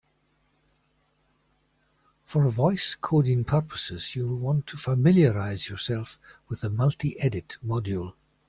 For voice coding purposes, you'll want to familiarize yourself with the multiedit module.